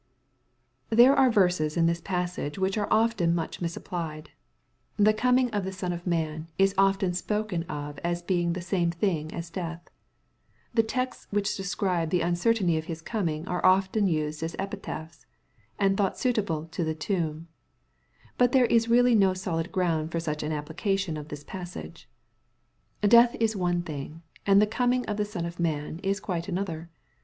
There are verses in this passage which are often much misapplied. " The coming of the Son of man" is often spoken of as being the same thing as death. The texts which describe the uncertainty of His coming are often used in epitaphs, and thought suitable to the tomb. But there is really no solid ground for such an application of this passage. Death is one thing, and the coming of the Son of man is quite another.